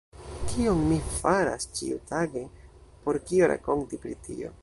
Kion mi faras ĉiutage; por kio rakonti pri tio!